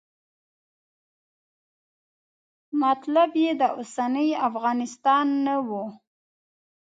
مطلب یې د اوسني افغانستان نه و.